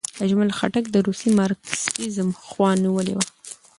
اجمل خټک د روسي مارکسیزم خوا نیولې وه.